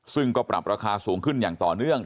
ซึ่งก็ปรับราคาสูงขึ้นอย่างต่อเนื่อง